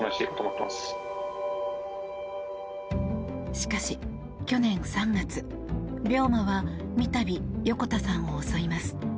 しかし去年３月、病魔は三度、横田さんを襲います。